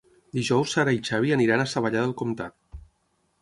Dijous na Sara i en Xavi aniran a Savallà del Comtat.